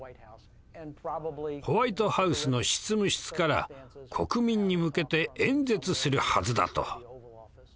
ホワイトハウスの執務室から国民に向けて演説するはずだと。